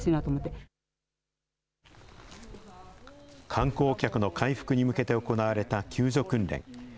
観光客の回復に向けて行われた救助訓練。